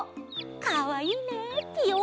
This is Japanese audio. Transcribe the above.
かわいいね。